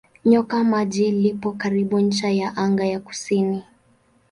Nyoka Maji lipo karibu ncha ya anga ya kusini.